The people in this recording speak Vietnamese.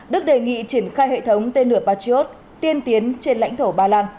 đức đề nghị triển khai hệ thống tên lửa patriot tiên tiến trên lãnh thổ ba lan